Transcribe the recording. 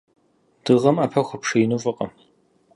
Дыгъэм ӏэпэ хуэпшиину фӏыкъым.